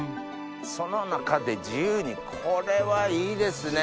その中で自由にこれはいいですね。